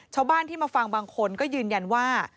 ชาวบ้านที่มาฟังบางคนก็ยืนยันว่า